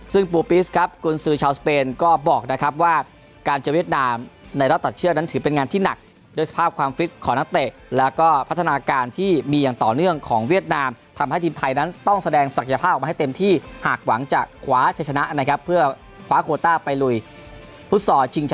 ซึ่งปูปิสครับกุญสือชาวสเปนก็บอกนะครับว่าการเจอเวียดนามในรอบตัดเชือกนั้นถือเป็นงานที่หนักด้วยสภาพความฟิตของนักเตะแล้วก็พัฒนาการที่มีอย่างต่อเนื่องของเวียดนามทำให้ทีมไทยนั้นต้องแสดงศักยภาพออกมาให้เต็มที่หากหวังจะคว้าชัยชนะนะครับเพื่อคว้าโคต้าไปลุยฟุตซอลชิงช